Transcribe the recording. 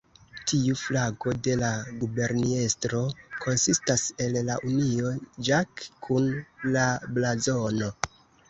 Tiu flago de la guberniestro konsistas el la Union Jack kun la blazono.